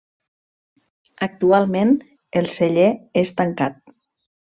Actualment, el celler és tancat.